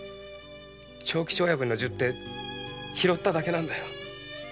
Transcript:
長吉親分の十手を拾っただけなんだよ。